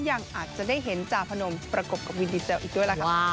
ยังอาจจะได้เห็นจาพนมประกบกับวินดีเซลอีกด้วยล่ะค่ะ